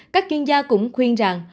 các chuyên gia cũng khuyên rằng